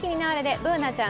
Ｂｏｏｎａちゃん